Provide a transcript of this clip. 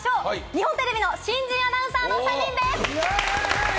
日本テレビの新人アナウンサーの３人です！